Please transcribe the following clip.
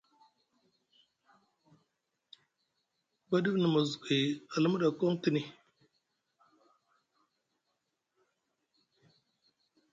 Ba ɗif na mozugay a luma ɗa a koŋ tini.